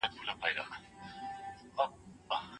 اختر په نوکریوالۍ کې تېرېږي.